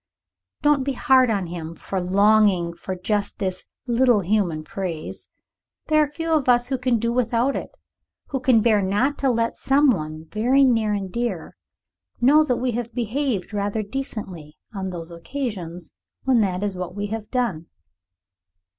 Don't be hard on him for longing for just this "little human praise." There are very few of us who can do without it; who can bear not to let some one, very near and dear, know that we have behaved rather decently on those occasions when that is what we have done.